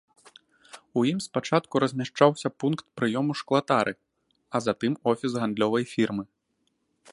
У ім спачатку размяшчаўся пункт прыёму шклатары, а затым офіс гандлёвай фірмы.